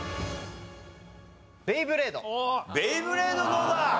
ベイブレードどうだ？